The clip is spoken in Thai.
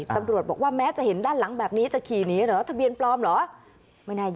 ตำรวจบอกว่าแม้จะเห็นด้านหลังแบบนี้จะขี่หนีเหรอทะเบียนปลอมเหรอ